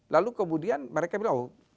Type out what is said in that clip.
lalu kemudian mereka bilang